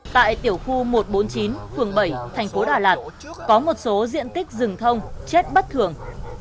tại tiểu khu một trăm bốn mươi chín phường bảy thành phố đà lạt có một số diện tích rừng thông chết bất thường